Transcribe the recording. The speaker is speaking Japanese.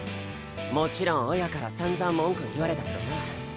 もちろん親からさんざん文句言われたけどな。